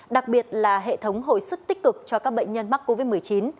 đặc biệt là hệ thống hồi sức tích cực cho các bệnh nhân mắc covid một mươi chín